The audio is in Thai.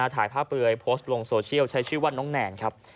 ถ่ายภาพเปลือยโพสต์ลงโซเชียลใช้ชื่อว่าน้องแนนครับ